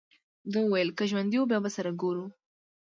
ده وویل: که ژوندي وو، بیا به سره ګورو.